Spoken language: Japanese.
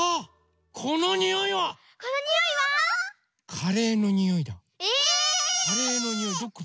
⁉カレーのにおいどこだ？